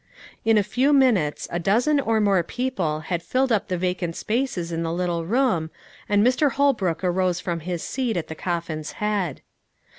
In a few minutes a dozen or more people had filled up the vacant spaces in the little room, and Mr. Holbrook arose from his seat at the coffin's head.